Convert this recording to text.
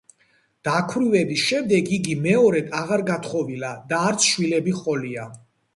დაქვრივების შემდეგ იგი მეორედ აღარ გათხოვილა და არც შვილები ჰყოლია.